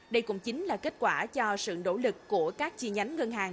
đây cũng chính là kết quả cho sự nỗ lực của các chi nhánh ngân hàng